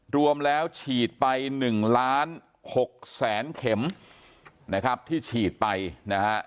รวมแล้วฉีดไป๑๖๐๐๐๐๐เข็มนะครับที่ฉีดไปนะครับ